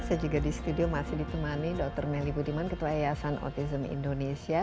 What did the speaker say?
saya juga di studio masih ditemani dr melly budiman ketua yayasan autism indonesia